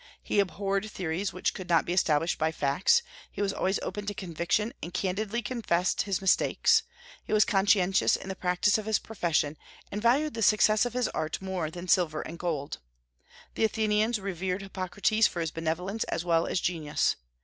He abhorred theories which could not be established by facts; he was always open to conviction, and candidly confessed his mistakes; he was conscientious in the practice of his profession, and valued the success of his art more than silver and gold. The Athenians revered Hippocrates for his benevolence as well as genius.